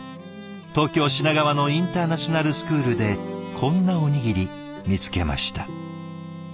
東京・品川のインターナショナルスクールでこんなおにぎり見つけました。